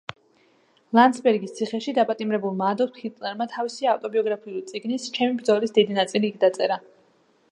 ლანდსბერგის ციხეში დაპატიმრებულმა ადოლფ ჰიტლერმა თავისი ავტობიოგრაფიული წიგნის, „ჩემი ბრძოლის“ დიდი ნაწილი იქ დაწერა.